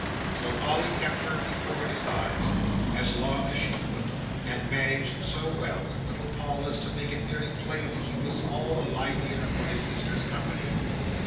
So, Polly kept her before his eyes, as long as she could, and managed so well with little Paul, as to make it very plain that he was all the livelier for his sister's company.